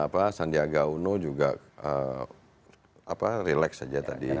pak sandiaga uno juga relax aja tadi